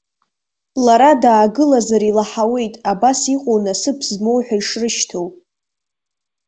Лара даагылазар илаҳауеит, абас иҟоу насыԥ змоу ҳәа ишрышьҭоу.